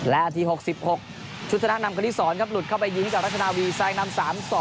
และอาที๖๖ชุดธนักนำก็ที่สองครับหลุดเข้าไปยิงกับรัชนาวีแซงนำ๓๒